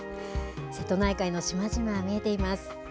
瀬戸内海の島々見えています。